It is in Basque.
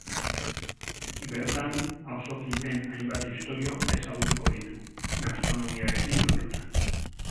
Bertan, auzokideen hainbat istorio ezagutuko ditu, gastronomiarekin lotuta.